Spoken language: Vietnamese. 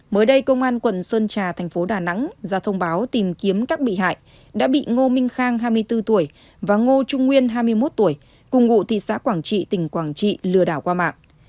mới đây công an quận sơn trà thành phố đà nẵng ra thông báo tìm kiếm các bị hại đã bị ngô minh khang hai mươi bốn tuổi và ngô trung nguyên hai mươi một tuổi cùng ngụ thị xã quảng trị tỉnh quảng trị lừa đảo qua mạng